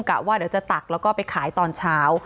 เกลียดว่าเดี๋ยวจะตักแล้วไปขายตอนเช้า